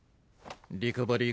リカバリー